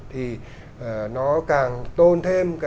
thì nó càng tôn thêm